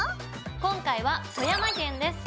今回は富山県です。